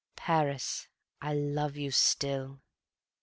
Paris, I love you still